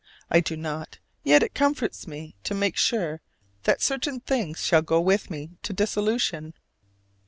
I do not, yet it comforts me to make sure that certain things shall go with me to dissolution.